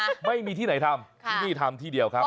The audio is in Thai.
คุณหมายมีที่ไหนทำทำที่เดียวครับ